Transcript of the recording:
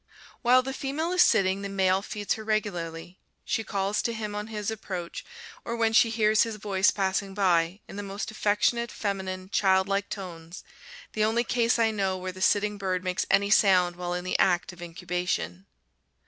While the female is sitting, the male feeds her regularly. She calls to him on his approach, or when she hears his voice passing by, in the most affectionate, feminine, childlike tones, the only case I know where the sitting bird makes any sound while in the act of incubation.